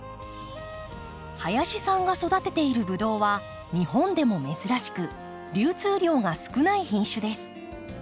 林さんが育てているブドウは日本でも珍しく流通量が少ない品種です。